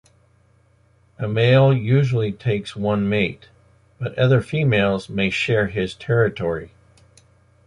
A male usually takes one mate, but other females may share his territory.